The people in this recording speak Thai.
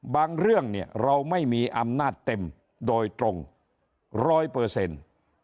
เรื่องเนี่ยเราไม่มีอำนาจเต็มโดยตรงร้อยเปอร์เซ็นต์